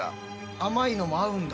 甘いのも合うんだ。